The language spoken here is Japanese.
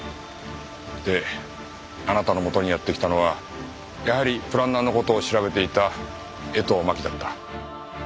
であなたのもとにやって来たのはやはりプランナーの事を調べていた江藤真紀だった。